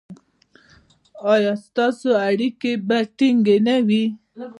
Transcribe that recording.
ایا ستاسو اړیکې به ټینګې نه وي؟